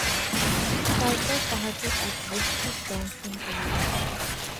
তারপর তাহাকে এক বৃশ্চিক দংশন করিল।